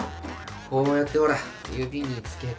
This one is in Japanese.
こうやってほら指につけて。